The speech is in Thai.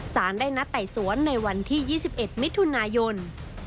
สารได้นัดไต่สวนในวันที่๒๑มิถุนายน